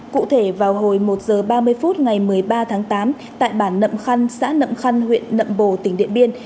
cụ thể vào hồi một h ba mươi phút ngày một mươi ba tháng tám tại bản nậm khăn xã nậm khăn huyện nậm bồ tỉnh điện biên